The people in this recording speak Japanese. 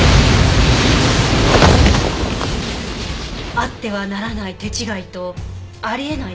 あってはならない手違いとあり得ないミス？